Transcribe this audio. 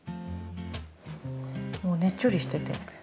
もうねっちょりしてて。